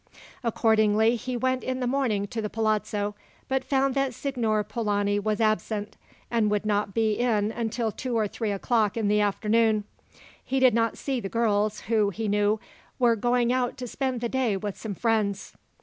Accordingly, he went in the morning to the palazzo, but found that Signor Polani was absent, and would not be in until two or three o'clock in the afternoon. He did not see the girls, who, he knew, were going out to spend the day with some friends.